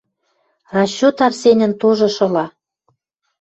Расчёт Арсеньӹн тоже шыла —